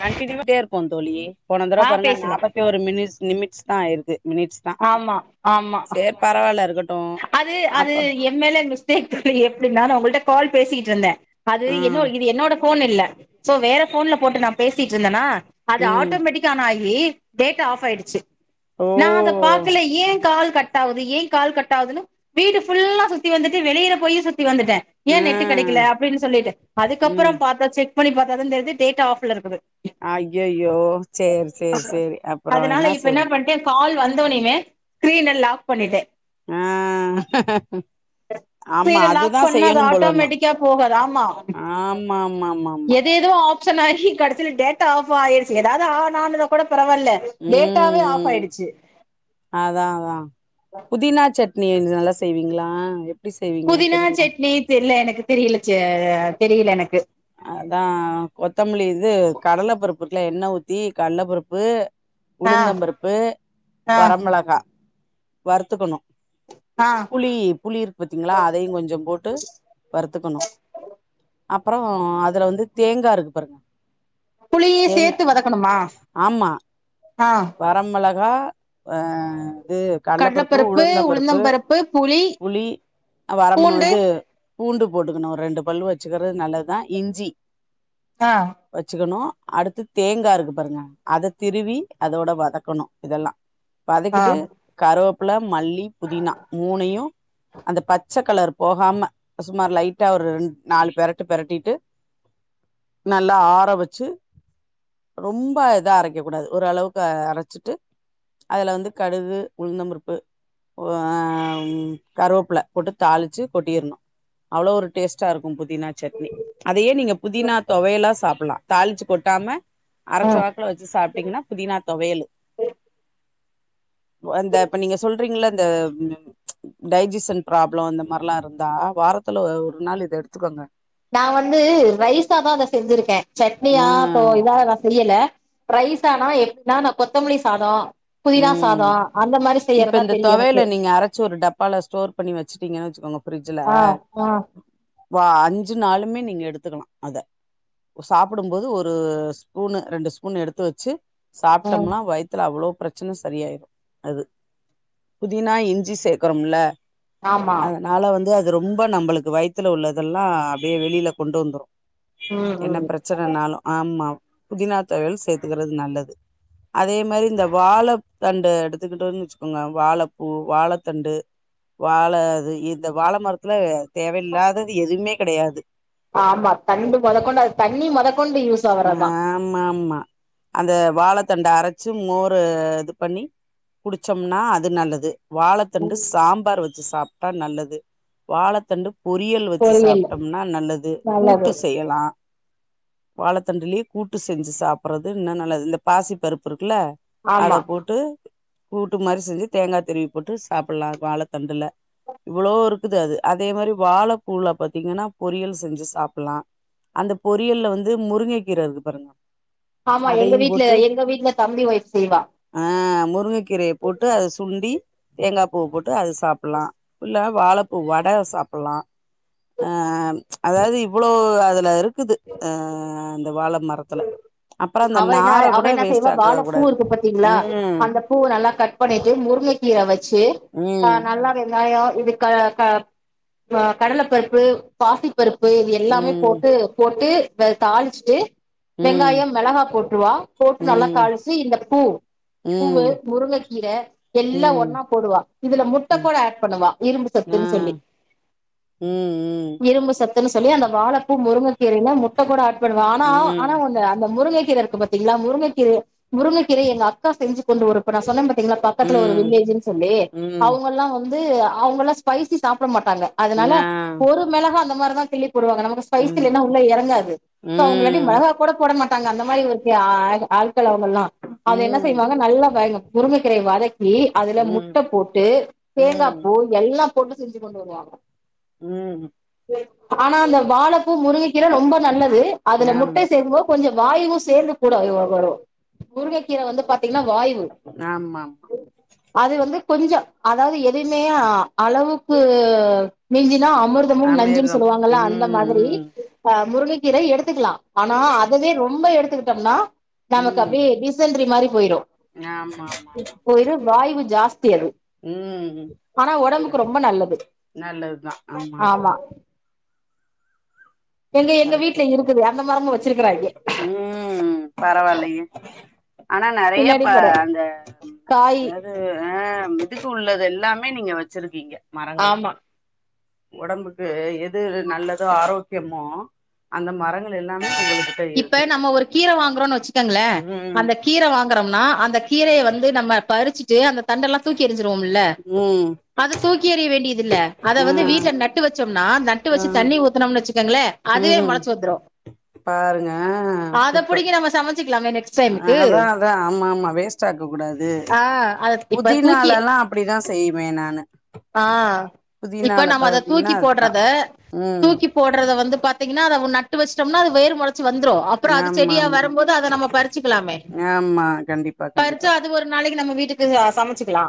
continue [inaudible] இருப்போ தோழி போன தடவ ஆ பாருங்க பேசலா நாப்பத்திஓரு மினிட்ஸ் நிமிட்ஸ் தா ஆயிருக்கு மினிட்ஸ் ஆமா ஆமா பரவால இருக்கட் அது அது எம் மேல மிஸ்டேக் தோழி எப்டின்னா நா உங்கள்ட்ட கால் பேசிக்கிட்டுருந்தே அது என்னோ ம் இது என்னோட ஃபோன் இல்ல சோ வேற ஃபோன்ல போட்டு நா பேசிட்ருந்தனா அது ம் ஆட்டோமேட்டிக் ஆனாகி டேட்டா ஆஃப் ஆயிடுச்சு ஓ நா அத பாக்கல ஏ கால் கட் ஆகுது ஏன் கால் கட் ட் ஆகுதுனு வீடு ஃபுல்லா சுத்தி வந்துட்டு வெளில போயு சுத்தி வந்துட்டே ஏ ஆ நெட்டு கெடைக்கல அப்டின் சொல்லிட்டு அதுக்கப்பற ம் பாத்தா செக் பண்ணி பாத்தா தா தெரியிது டேட்டா ஆஃப்ல இருக்குது அய்யோயோ செரி செரி செரி அப்றோ அதனால ன்னா இப்ப செய்ற என்ன பண்ட்டே கால் வந்தனோமே ஸ்கிரீன லாக் பண்ணிட்டே ஆ ஆமா ஸ்கிரீன அதுதா லாக் பண்ணா அது செய்யணும் போலணு ஆட்டோமேட்டிக்கா போகாது ஆமாமாமாமா அது ஏதோ ஆப்ஷன் ஆகி கடசில டேட் டா ஆஃப் ஆயிருச்சு ஏதாவ்து ஆன் ஆனத கூட பரவால்ல ம் டேட்டாவே ஆஃப் ம் ஆயிடுச்சு அதா அதா புதினா சட்னி நல்லா செய்விங்ளா புதினா சட்னி தெர்ல எனக்கு தெரில செ தெரில எனக்கு அதா கொத்தமல்லி இது கடல பருப்பு இருக்ல எண்ணெ ஊத்தி கல்ல பருப்பு ஆ உளுந்தம்பருப்பு ஆ வரமிளகா வறுத்துக்கணு ஆ புளி புளி இருக்கு பாத்தீங்ளா அதையு கொஞ்சம் போட்டு வறுத்துக்கணு அப்றோ அதுல வந்து தேங்கா இருக்கு பாருங்க புளியையு தேங்கா சேத்து வதக்கணுமா ஆமா ஆ வரமிளகா அ இது கல்ல பருப்பு கடலப்பருப்பு உளுந்தம் பருப்பு உளுந்தம்பருப்பு புளி வரம் பூண்டு இது பூண்டு போட்டுக்கணு ஒரு ரெண்டு பல்லு வச்சுக்கறது நல்லது தா இஞ்சி ஆ வச்சுக்கணு அடுத்து தேங்கா இருக்கு பாருங்க அத திருவி அதோட வதக்கணு இதெல்லா ஆ வதக்கிட்டு கருவ ப்ல மல்லி புதினா மூணையு அந்த பச்ச கலர் போகாம சுமார் லைட்டா ஒரு ரெண் நாலு பெரட்டு பெரட்டிட்டு நல்லா ஆற வெச்சு ரொம்ப இதா அரைக்க கூடாது ஓரளவுக்கு அரச்சிட்டு அதுல வந்து கடுகு, உளுந்தம் பருப்பு ஒ அ கருவேப்புல போட்டு தாளிச்சு கொட்டிறனு அவ்ளோ ஒரு டேஸ்ட்டா இருக்கு புதினா சட்னி அதையே நீங்க புதினா துவையலா சாப்பல்லா தாளிச்சு கொட்டாம அரச்ச ம் வாக்குல வெச்சு சாப்ட்டீங்கனா புதினா துவையலு ஒ அந்த இப்ப நீங்க சொல்றீங்கல்ல அந்த ம் டைஜிசன் ப்ராப்ளோ அந்த மாரெல்லா இருந்தா வாரத்துல ஒரு நாள் இத எடுத்துகோங்க நா வந்து ரைஸாதா அத செஞ்சிருக்கே சட்னியா ம் இதி நா செய்யல ரைஸ் ஆனா எ நானா கொத்தமல்லி சாதோ புதினா ம் சாதோ அந்த மாரி இப்ப செய்யறதா இந்த தெரியு எனக்கு தொவையல நீங்க அரச்சு ஒரு டப்பால ஸ்டோர் பண்ணி வெச்சுட்டீங்கன் வெச்சுக்கோங்க ஃப்ரிட்ஜ்ல ஆ ஆ வா அஞ்சு நாளுமே நீங்க எடுத்துக்கலா அத சாப்புடும்போது ஒரு ஸ்பூன் ரெண்டு ஸ்பூன் எடுத்து வெச்சு ஆ சாப்டம்னா வயித்துல அவ்ளோ பிர ச்சன சரியாயிரு அது புதினா, இஞ்சி சேக்கறோமல்ல ஆமா அதனால வந்து அது ரொம்ப நம்மளுக்கு வயித்துல உள்ளதெல்லா அப்டியே வெளில கொண்டு வந்துரு ம் என்ன பிர ம் பிரச்சனனாலு ஆமா புதினா தொவையல் சேத்துக்கறது நல்லது அதே மாரி இந்த வாழத்தண்டு எடுத்துகிட்டோனு வெச்சுக்கோங்க வாழப்பூ, வாழத்தண்டு வாழ அது இந்த வாழ மரத்துல தேவையில்லாதது எதுமே கெடையாது ஆமா தண்டு முதக்கொண்டு அது தண்ணி முதக்கொண்டு யூஸ் ஆவறதா ம் ஆமா அந்த வாழத்தண்ட அரச்சு மோர் ரு இது பண்ணி குடிச்சம்னா அது நல்லது வாழத்தண்டு சாம்பார் வெச்சு சாப்ட்டா நல்லது வாழத்தண்டு பொறியல் வெச்சு பொரியல் சாப்ட்டம்னா நல்லது நல்லது கூட்டு செய்யலா வாழத்தண்டுலயே கூட்டு செஞ்சு சாப்பறது இன்னு நல்லது இந்த பாசி பருப்பு இருக்கல்ல அத ஆமா போட்டு கூட்டு மாறி செஞ்சு தேங்கா திருவி போட்டு சாப்பல்லா வாழத்தண்டுல இவ்ளோ இருக்குது அது அதே மாரி வாழப்பூல பாத்தீங்கன்னா பொரியல் செஞ்சு சாப்புலா அந்த பொறியல்ல வந்து முருங்கக்கீர இருக்கு பாருங்க ஆமா எங்க அதையு வீட்ல போட்டு எங்க வீட்ல தம்பி ஒய்ஃப் செய்வா ஆ முருங்கக்கீரய போட்டு அத சுண்டி தேங்கா பூவ போட்டு அத சாப்பல்லா இல்ல வாழப்பூ வட சாப்பல்லா ஆ அதாவது இவ்ளோ அதுல இரு க்குது அ அந்த வாழ மரத்துல அப்புறோ அந்த அவ என்னா நார அவ கூட என்னா வேஸ்ட் செய்வா ஆக்க வாழப்பூ கூடாது இருக்கு பாத்தீ ங்லா ம் அந்த பூவ நல்லா கட் பண்ணிட்டு முருங்க கீர வெச்சு ஆ ம் நல்லா வெங்காயோ இது க க கடலப்பருப்பு பாசி பருப்பு இது எல்லாமே ம் போட்டு போட்டு தாளிச்சிட்டு ம் வெங்காயோ மிளகா போட்றுவா போட்டு நல்லா ம் தாளிச்சு இந்த பூ ம் பூவு முருங்கக்கீர எல்லா ம் ஒன்னா போடுவா இதுல முட்ட ம் கூட ஆட் பண்ணுவா இரும்பு சத்துன்னு சொல்லி ம் ம் இரும்பு சத்துனு சொல்லி அந்த வாழப்பூ முருங்கக்கீரைல முட்ட கூட ஆட் பண்ணுவா ஆனா ஆனா ம் அந்த முருங்க முருங்ககீர இருக்கு பத்தீங்ளா முருங்கக்கீரய முருங்கக்கீரய எங்க அக்கா செஞ்சு கொண்டு ஒருப்ப நா சொன்ன பாத்தீங்களா ம் பக்கத்துல ஒரு ம் வில்லேஜ்ஜுன் சொல்லி ம் அவுங்கல்லா வந்த் வந்து அவங்களா ஸ்பைசி சாப்ட மாட்டாங்க அதுனால ஆ போரு மெளகா அந்த மாரிதா கிள்ளி போடுவாங்க நமக்குஸ் ஸ்பைஸ் ம் இல்லேனா உள்ள யறங்காது சோ அவங்களாட்டி ம் மெளகா கூட போட மாட்டாங்க அந்தா மாரி ஒருத்தி ஆய்கா ஆல்கள்ல அவங்கல்லா அத என்ன ம் செய்வாங்க நல்லா காய்னு முருங்கக்கீரைய வரக்கி அதுல ம் முட்ட போட்டு தேங்கா ம் பூ எல்லா போட்டு செஞ்சு கொண்டு வருவாங்க ம் ஆனா அந்த வாழப்பூ முருங்க கீர ரொம்ப நல்லது அதுல முட்டை ஆமா சேக்கும்போ கொஞ்ச வாயுவு சேர்ந்து கூட அயோவா வரு முருங்கக்கீர வந்து பாத்தீங்னா வாயு ஆமாமா [unintelligible] அது வந்து கொஞ்சோ அதாவ்து எதய்மே ஆ அளவுக்கு மிஞ்சினா அமுர் தமும் நஞ்சுன்னு அமிர்தம் சொல்லுவாங்கள அந்த ம் மாதிரி ம் ஆ முருங்கங்கீர எடுத்துக்லாம் ஆனா அதவே ரொம்ப எடுத்துக்கிட்டோம்னா நமக்கு அப்டே எப்டிஸ் டிசன்றி மாரி போய்ரு யாமா ஆமா அம் போய்ரு வாய்வு ஜாஸ்தி அடு உம் காது நல்லது நல்லத்தான் ஆமாம் ஆமா எங்க எங்க வீட்ல இருக்குது அந்த மாருங்க வச்சிருக்கிறாங்க உம் பரவால்லயே ஆனா நெறைய பின்னாடி பா மரம் அந்த காய் அதாவ் உ ஆ இதுக்கு உள்ளது எல்லாமே நீங்க வச்சிருக்கீங்க மரங்கள் ஆமா ஒடம்புக்கு எது நல்லதோ ஆரோக்கியமோ அந்த மரங்கள் எல்லாமே உங்களுக்கு இப்ப நம்ம ஒரு கீர வாங்குறோன் வச்சிக்கங்ளே ம் அந்த கீர வாங் க்றம்னா அந்த கீரய வந்து நம்ம பறிச்சி டு அந்த தண்டெல்லா தூக்கி எறிஞ்சிருவோம்ல்ல ம் அத தூக்கி எறிய வேண்டியதில்ல அத ஆ வந்து வீட்ல நட் ட்டு வச்சோம்னா நட்டு வச்சு தண்ணி ஊத்துனும்ல் வச்சுக்கங்ளே உம் பாருங்க ஆத புடுங்கி நாம சமச்சிக்லாமே நெக்ஸ்ட் டைம்மு அ அதா அதா ஆமாமா வேஸ்ட் ஆக்கக் கூடாது ஆ அத இப்ப தூக்கி புதினாலலா அப்டிதா செய்வே நானு ஆ இப்ப புதினால நாம அத பாத்தீங்கன்னா தூக்கி அதுதா போட்றத ம் தூக்கி போட்றத வந்து பாத்தீங்கன்னா அதவ் நட்டு வெச்சுடோம்னா அது வேர் முள ச்சி வந்த்ரு அப்ற அது ஆமா செடியா ஆமா வரும்போது அத நாம பறிச்சுக்கலாமே ஆமா கண்டிப்பா பறிச்சா கண்டிப்பா அது ஒரு நாளைக்கு நம்ம வீட்டுக்கு ஆ சமச்சுக்கலா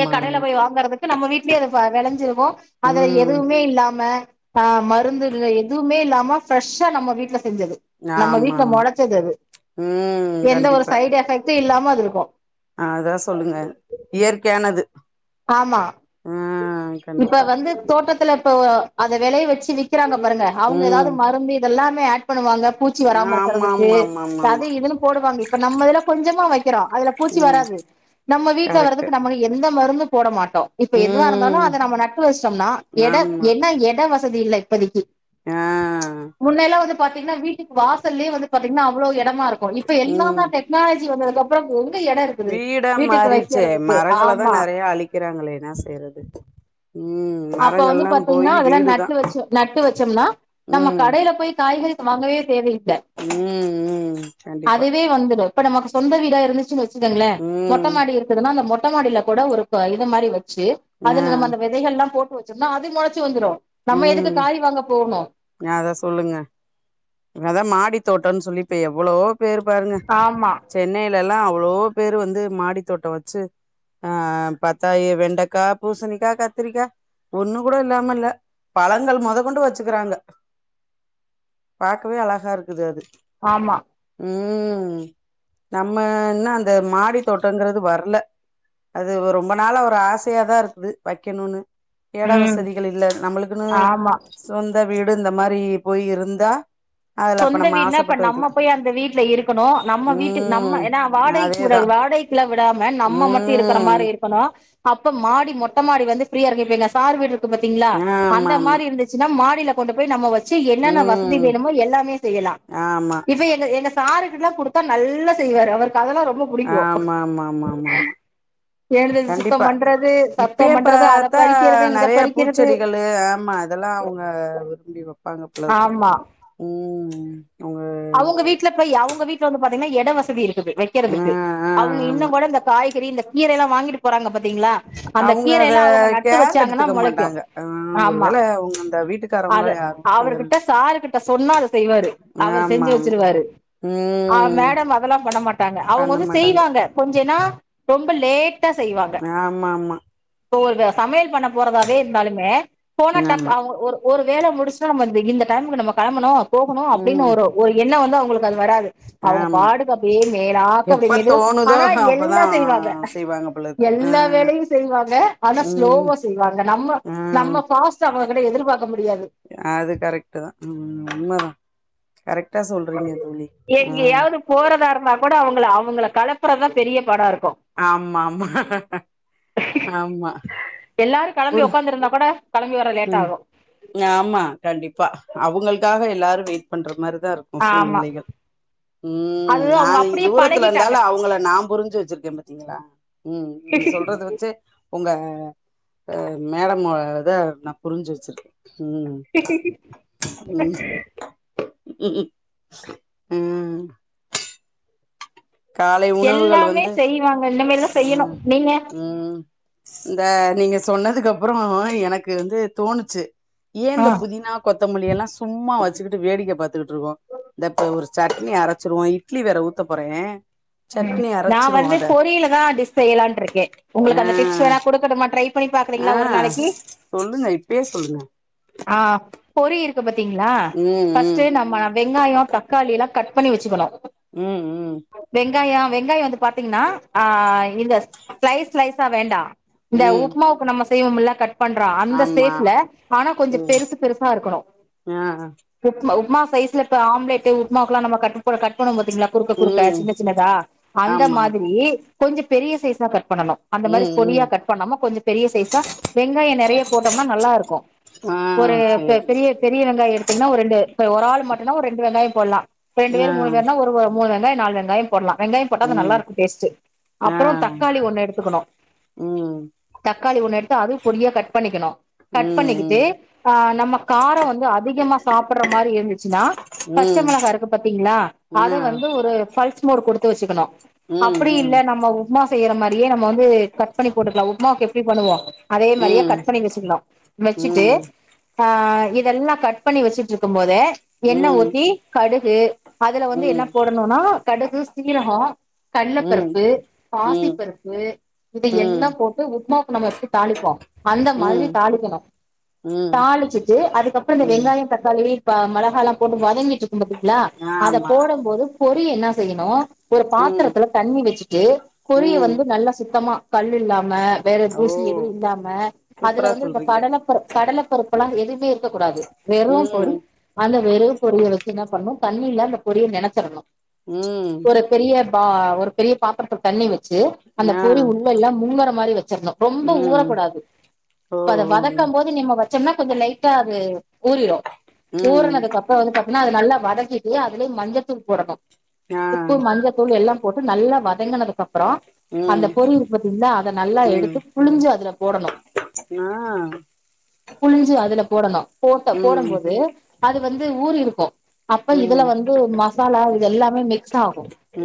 ஏ கடல ஆமா போய் வாங்குறதுக்கு நம்ம வீட்லியே அத பா வெளஞ்சிருவோ அது ம் எதுவ்மே ஏ இல்லாம பா மருந்து இல்ல எதுவ்மே இல்லாம ஃப்ரஷ்ஷா நம்ம வீட்ல செஞ்சது நம்ம ஆமா வீட்ல ஆமா முளச்சது அது ம் எந்த ஒரு சைட் எஃபெக்ட்டு இல்லாம அது இருக்கு அ அதா சொல்லுங்க இயற்கையானது ஆமா ஆ இப்ப கண்டிப்பா வந்து தோட்டத்துல ப்போ அத வெலய வெச்சி விக்கிறாங்க பாருங்க அவுங்க ஏதாவ்து ம் மருந்தி இதெல்லாமே ஆட் பண்ணுவாங்க பூச்சி வராம ஆமா இருக்குறதுக்கே ஆமா ஆமா ஆமா ப ஆமா அது இதுன்னு போடுவாங்க இப்ப நம்ம இதுல கொஞ்சமா வைக்குறோஅதுல பூச்சி ம் வராது நம்ம வீட்ல கரெக்ட்டு வரதுக்கு நம்மய் எந்த மருந்து போட மாட்டோ இப்ப எதுவா இருந்தாலு ம் அத நம்ம நட்டு வச்ட்டோம்னா எட ஆமா என்ன எட வஸ் சதில்லே இப்பதிக்கி ஆ முன்னெல்லா வந்து பாத்தீங்னா வீட் டிக் வாசல்லயே வந்து பாத்தீங்கன்னா அவ்ளோ எடமாரு க்கு இப்ப ம் எல்லாம டெக்னாலஜி வந்ததுகப்றோ எங்க எடோருக்குது வீடா வீட்டுக்கு வக்கற்துக்கு ஆமா க்கிறாங்களே என்னா செய்றது ம் அப்ப வந்து மரங்கள்லா பாத்தீங்ன்னா போயி அதல்லா வீடுதா நட்டு வச்சு நட்டு வச்சம்னா நம்ம ம் கடைல போய் காய்கறி வாங்கவே தேவயில்ல ம் ம் கண்டிப்பா வந்துடு இப்ப நமக்கு சொந்த வீடா இருந்துச்சுன் வச்சுக்கங்ளே மொட்ட ம் மாடி இரு ந்துதுனா அந்த மொட்டமாடில கூட ஒரு இது மாரி வச்சு ஆ அதுல நம்ம அந்த வெதைகள்லா போ ட்டு வச்சம்ன்னா அது மொளச்சு வந்துரு நம்ம எதுக்கு ம் காய் வாங்க போனு அத சொல்லுங்க அதா மாடி தோட்டோன் சொல்லி இப்ப எவ்ளோ பேர் பாருங்க ஆமா சென்னைலல்லா அவ்ளோ பேரு வந்து மாடி தோட்டோ வச்சு ஆ பாத்தாயி வெண்டக்கா பூசணிக்கா கத்திரிக்கா ஒன்னு கூட இல்லாமில்ல பழங்கள் மொதக் கொண்டு வச்சுக்குறாங்க பாக்கவே அழகா இருக்குது அது ஆமா ம் நம்ம இன்னு அந்த மாடி தோட்டங்கறது வர்ல அது ரொம்ப நாளா ஒரு ஆசயா தாருக்குது வக்கணுனு எட ம் வசதிகள் இல்ல நம்பளுக்குனு ஆமா சொந்த வீடு இந்த மாரி போய் இருந்தா அதுல அப்ப சொந்த நம்ம வீட்னா இப்ப ஆசப்பட்டு நம்ம வைக்கலா போய் அந்த வீட்ல இருக்கனு நம்ம வீட்டு நம்ம ம் ஏனா வாடைக்கு விட அதேதா வாடை க்லா விடாம நம்ம மட்டு இருக்ற ம் மாரி இரு க்கனு அப்ப மாடி மொட்ட மாடி வந்து ஃப்ரீயாருக்கு இப்ப எங்க சார் வீடு இருக்கு பாத்தீங்ளா ஆமா அந்த ஆமா மாரி இருந்து ச்சுனா மாடில கொண்டு போய் நம்ம வச்சு என்னென்ன வசதி ம் வேணுமோ எல்லாமே செய்யலா ஆமா இப்ப எங்க எங்க சாருகிட்லா குடுத்தா நல்லா செய்வாரு அவருக்கு அதெல்லா ரொம்ப புடிக்கு ஆமாமாமாமாமா எழுந்து சுத்தம் கண்டிப்பா பண்றது இப்பயே சத்தம் பண்றது அத பாத்தா பறிக்கிறது இத நறையா பறிக்கிறது பூச்செடிகளு ஆமா இதெல்லா அவுங்க விரும்பி வப்பாங்க போலர்க்கு ஆமா ம் ம் அவுங்க வீட்ல போய் அவுங்க வீட்ல வந்து பாத்தீங்னா எட வசதி இருக்குது ஆ வெக்கற்துக்கு ஆ அவுங்க ஆமா இன்னுங்கூட இந்த காய்கறி இந்த கீரயல்லா வாங்கிட்டு போறாங்க பாத்தீங்ளா அந்த அவங்க அத கீரயல்லா அவுங்க நட்டு கேர் வச்சாங்கன்னா எடுத்துக்க மொளைக்கு மாட்டாங்க ஆ ஒரு ஆமா வேள அவங்க அந்த வீட்டுக்காரவங்க அத யாரு கேர் அவர்கிட்ட சாரு கிட்ட சொன்னா அத செய்வாரு அவரு ஆமா செஞ்சு ஆமா வச்சிருவாரு ஆ ம் மேடம் அதெல்லா பண்ண மாட்டாங்க அவுங்க பண்ண வந்து மாட்டாங்க செய்வாங்க கொஞ்சேன்னா ரொம்ப லேட்டா செய்வாங்க ஆமா ஆமா போற்வ சமையல் பண்ண போறதாவே இந்தாலுமே போனா டக் ஆமா அவுங்க ஒரு ஒரு வேல முடிச்சுட்டா நம்ம இந்த இந்த டைமுக்கு நம்ம கெளம்பனு போகனு அப்டின் ம் ஒரு ஒரு எண்ணோ வந்து அவுங்ளுக்கு அது வராது அவங்க ஆமா பாடுக்கு அப்டியே மேலாக்க அப்டியே எப்ப மெதுவா தோணுதோ ஆனா அப்பதா எல்லா செய்வாங்க செய்வாங்க போலருக்கு ஆ எல்லா வேலயு செய்வாங்க ஆனா ம் ஸ்லோவா செய்வாங்க நம்ம ஆ நம்ம ஃபாஸ் ச்சு அவுங்க கிட்ட எதிர்பாக்க முடியாது அது கரெக்ட்டு தா ம் உண்ம தா கரெக்டா சொல்றீங்க தோழி ஆ எங்கேயாவது போறதா இருந்தா கூட அவுங்கள அவுங்கள களப்புறதா பெரிய பாடாருக்கு ஆமாமா ஆமா எல்லாரு கெளம்பி ஒரு ஒக்காந்துருந்தா கூட கெளம்பி வர ம் லேட்டாகு ஆமா கண்டிப்பா அவுங்களுக்காக எல்லாரு வெயிட் பண்ற மாரிதாருக்கு ஆமா சூழ்நிலைகள் ம் அது நா அவங்க அப்டியே தூரத்துல பழகிட்டாங்க இந்தாலு அவுங்கள நா புரிஞ்சு வச்சிருக்கே பாத்தீங்களா ம் நீங்க சொல்றத வச்சே ஒங்க ஆ மேடமோடத நா புரிஞ்சு வச்சிருக்கே ம் உம் உ ம் காலை உணவுகள் எல்லாமே வந்து செய்வாங்க இனிமேல்தா செய்யணு ம் நீங்க ம் இந்த நீங்க சொன்னதுக்கப்றோ எனக்கு வந்து தோணுச்சு ஏ ஆ இந்த புதினா கொத்தமல்லி எல்லா சும்மா வச்சுக்கிட்டு வேடிக்க பாத்துட்டு இருக்கோ இந்தப்ப ஒரு சட்னி அரச்சிறுவோ இட்லி வேற ஊத்த போறே ம் சட்னி நா அரைச்சிருவோ வந்து அத பொரியிலதா‌ டிஸ் செய்யலான் ருக்கே ஆ உங்ளுக்கு அந்த டிப்ஸ் வேணா குடுக்கட்டுமா ட்ரை பண்ணி பாக்கறீங்ளா ஆ ஒரு நாளைக்கி சொல்லுங்க இப்பயே சொல்லுங்க ஆ பொறி இருக்கு பாத்தீங்ளா ம் ஃபஸ்ட்டு ம் நம்ம வெங்காயோ தக்காளி எல்லா கட் பண்ணி வெச்சுக்கணு ம் ம் வெங்காயோ வெங்காயோ வந்து பாத்தீங்கன்னா ஆ இந்த ஸ்லைஸ் ஸ்லைஸா வேண்டா இந்த ம் உப்புமாவுக்கு நம் செய்வம்ல்ல கட் பண்றோ அந்த ஆமா சேஃப்ல ஆனா கொஞ்சோ ம் பெருசு பெருசா இருக்கணு ஆ உப்மா உப்மா சைஸ்ல இப்ப ஆம்லேட் உப்புமாவுக்குலா நம்ப கட் பண்ணுவோ பாத்தீங்ளா குறுக்க குறுக்க ம் சின்ன தா அந்த ஆமா மாதிரி கொஞ்ச பெரிய சைஸ்ஸா கட் பண்ணனு அந்த மாரி ம் பொடியா ம் கட் பண்ணாம கொஞ்சம் பெரிய சைஸ்ஸா வெங்காயோ நெறைய போட்டோம்னா நல்லா இருக்கு ஆ ஒரு ப சேரி பெரிய பெரிய வெங்காய எடுத்தீங்ன்னா ஒரு ரெண்டு ஒரு ஆள் மட்டுனா ஒரு ரெண்டு வெங்காய போல்லா ரெண்டு ஆ பேர் மூணு பேர்னா ஒரு வ மூனு வெங்காய நாலு வெங்காய போட்லா வெங்காய போட்டா அது நல்லா ம் இருக்கு டேஸ்ட்டு அப்றோ ஆ தக்காளி ஒண்ணு எடுத்துக்கணு ம் தக்காளி ஒண்ணு எடுத்து அதுவு பொடியா கட் பண்ணிக்கணு கட் பண்ணிக்கிட்டு ம் ஆ நம்ம கார வந்து அதிகமா சாப்பட்ட மாரி இரு ச்சுனா ம் ம் பச்சமிளகா இருக்கு பாத்தீங்ளா ம் அத ஆ வந்து ஒரு பல்ஸ் மூட் குடுத்து வச்சுக்கணு ம் அப்டி ம் இல்ல நம்ம உப்மா செய்யற மாரியே நம்ப வந்து கட் பண்ணி போட்டுக்கலா உப்மாக்கு எப்டி பண்ணுவோ அதே மாரியே ம் கட் பண்ணி வெச்சுக்கனு வெச்சுட்டு ம் ஆ இதெல்லா கட் பண்ணி வெச்சுட்டுருக்கும் போதே எண்ணெ ம் ஊத்தி கடுகு அதுல வந்து என்ன ம் போடணூனா கடுகு சீரகோ ம் கள்ளபருப்பு பாசிப்பருப்பு இது எல்லா ம் போட்டு உப்மாக்கு நம்ம எப்டி தாளிப்போ அந்த மாத்ரி தாளிக்கணு ம் தாளிச்சிட்டு அதுக்கப்றம் இந்த ம் வெங்காய தக் காளி ப மெளகாலா போட்டு வதங்கிட்டு இருக்கும் பாத்தீங்ளா அத ஆமா போடம் போது பொறி ன்னா செய்யணு ஒரு ம் பாத்திரத்துல தண்ணி வெச்சுட்டு பொறிய ம் வந்து நல்லா சுத்தமா கல் இல்லாம வேற ஓ தூசி எதுவு இல்லாம அதுல சூப்பரா வந்து இந்த சொல்றீங்க கடளப்பரு கடளப்பருப்பல்லா எதுமே இருக்கக் கூடாது வெறு பொறி ம் அந்த வெரூ பொறிய வெச்சு என்ன பண்ணணு தண்ணீல அந்த பொறிய நெனச்சிரணு ம் ஒரு பெரிய பா ஒரு பெரிய பாத்திரத்ல தண்ணி வெச்சு அந்த ஆ பொறி உள்ளல்லா முங்ர மாரி வெச்சிரனு ரொம்ப ம் ஊறக்கூடாது ஓ இப்ப அத ஓ வதக்கு போது நம்ம வச்சோம்னா கொஞ்சொ லைட்டா அது ஊறிறும் ம் ஊறுனதுக்கப் றோ வந்து பாத்தீனா அத நல்லா வதக்கிட்டு அதுலய் மஞ்சத்தூள் போடனு ஆ உப்பு மஞ்சத்தூள் எல்லா போட்டு நல்லா வதங்கனதுக்கப் றோ அந்த ம் பொறி இருக்கு பாத்தீங்ளா அத நல்லா ம் எடுத்து புழிஞ்சு அதுல போடணு ஆ புழிஞ்சி அதுல போடணு போட்ட போடம் ம் போது அது வந்து ஊரிருக்கோ அப்ப இதுல ம் வந்து மசாலா இது எல்லாமே மிக்ஸ் ஆகு ம்